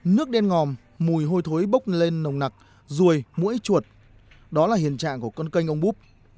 nước đen ngòm mùi hôi thối bốc lên nồng nặc ruồi mũi chuột đó là hiện trạng của con kênh ông búp